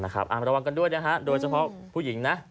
ระวังกันด้วยนะฮะโดยเฉพาะผู้หญิงนะ